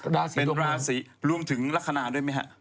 ราศีรวมถึงลักษณะด้วยไหมฮะ